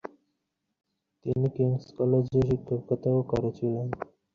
মানুষের জানমালের নিরাপত্তা দেওয়া সরকারের প্রধান দায়িত্ব কিন্তু তারা ব্যর্থতার পরিচয় দিয়ে চলেছে।